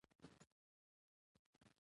له جسمي پلوه د ښځو د کمزوري ګڼلو